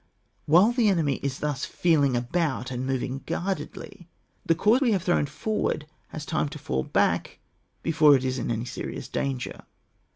While the ene* my is thus feeling about and moving guardedly, the corps we have thrown for ward has time to fall back before it is in any serious danger.